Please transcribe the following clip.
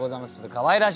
かわいらしい！